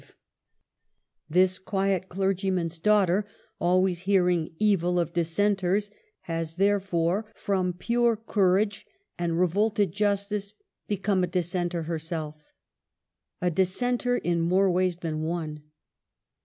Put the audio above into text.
1 WUTHERING HEIGHTS: 2 II This quiet clergyman's daughter, always hear ing evil of Dissenters, has therefore from pure courage and revolted justice become a dissenter herself. A dissenter in more ways than one.